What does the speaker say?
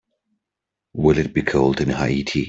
Will it be cold in Haiti?